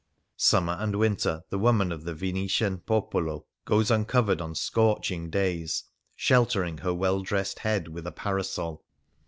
Summer and winter the woman of the Venetian popolo goes uncovered on scorching days, sheltering her well dressed head with a parasol.